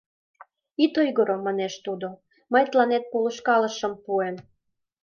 — Ит ойгыро, — манеш тудо, — мый тыланет полышкалышым п-пуэм...